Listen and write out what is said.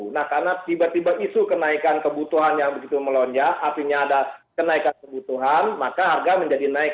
nah karena tiba tiba isu kenaikan kebutuhan yang begitu melonjak artinya ada kenaikan kebutuhan maka harga menjadi naik